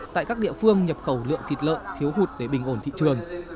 tại các địa phương nhập khẩu lượng thịt lợn thiếu hụt để bình ổn thị trường